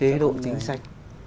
chế độ chính sách